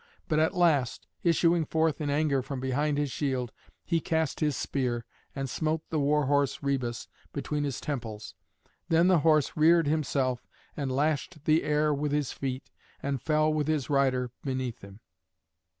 But at last, issuing forth in anger from behind his shield, he cast his spear and smote the war horse Rhœbus between his temples. Then the horse reared himself and lashed the air with his feet, and fell with his rider beneath him.